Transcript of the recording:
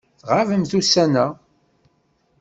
Tɣabemt ussan-a.